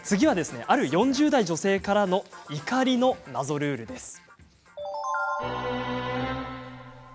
ある４０代女性からの怒りの謎ルールです。